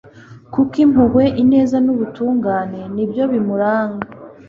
koko impuhwe, ineza n'ubutungane ni byo bimuranga